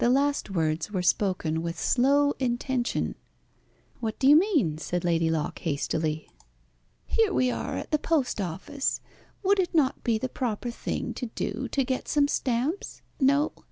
The last words were spoken with slow intention. "What do you mean?" said Lady Locke hastily. "Here we are at the post office. Would it not be the proper thing to do to get some stamps? No?